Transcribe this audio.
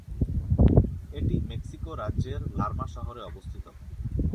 এটি মেক্সিকো রাজ্যের লারমা শহরে অবস্থিত।